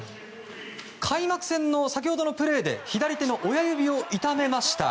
開幕戦の先ほどのプレーで左手の親指を痛めました。